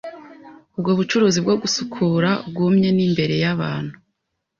Ubwo bucuruzi bwogusukura bwumye ni imbere yabantu.